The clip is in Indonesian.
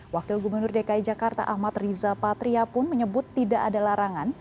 wakil gubernur dki jakarta ahmad riza patria pun menyebut tidak ada larangan